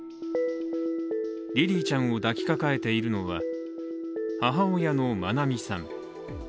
リリィちゃんを抱きかかえているのは母親の愛美さん。